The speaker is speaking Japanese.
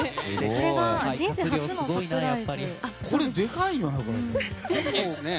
これ、でかいよね？